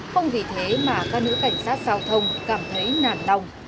không vì thế mà các nữ cảnh sát giao thông cảm thấy nản lòng